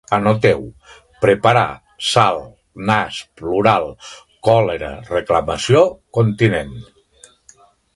Anoteu: preparar, sal, nas, plural, còlera, reclamació, continent